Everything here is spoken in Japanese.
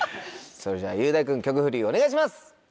それじゃあ雄大君曲フリお願いします！